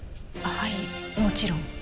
はいもちろん。